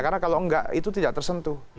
karena kalau enggak itu tidak tersentuh